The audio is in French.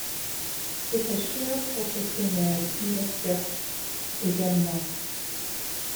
Des pêcheurs professionnels y exercent également.